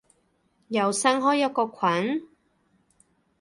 又新開一個群？